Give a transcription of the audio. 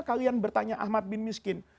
kalian bertanya ahmad bin miskin